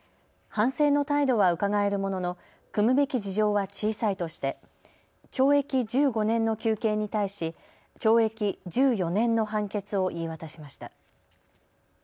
反省の態度はうかがえるものの酌むべき事情は小さいとして懲役１５年の求刑に対し懲役１４年の判決を言い渡しました。